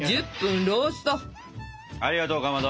ありがとうかまど！